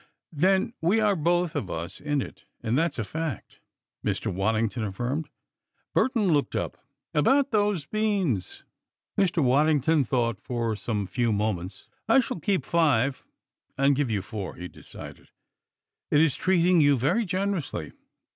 "Then we are both of us in it, and that's a fact," Mr. Waddington affirmed. Burton looked up. "About those beans?" Mr. Waddington thought for some few moments. "I shall keep five and give you four," he decided. "It is treating you very generously.